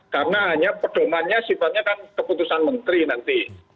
karena hanya perdomannya sifatnya kan keputusan menteri nanti